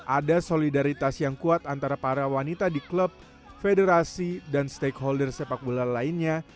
ada solidaritas yang kuat antara para wanita di klub federasi dan stakeholder sepak bola lainnya